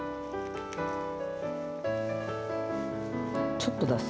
ちょっと出す。